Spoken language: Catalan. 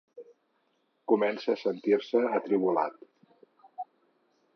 Comença a sentir-se atribolat.